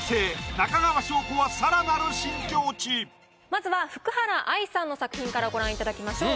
まずは福原愛さんの作品からご覧いただきましょう。